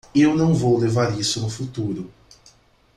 Eu não vou levar isso no futuro.